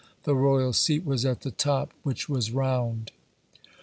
The royal seat was at the top, which was round.